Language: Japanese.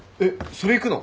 それ行くの？